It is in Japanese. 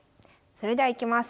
それではいきます。